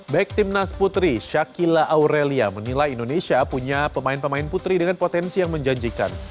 back timnas putri shakila aurelia menilai indonesia punya pemain pemain putri dengan potensi yang menjanjikan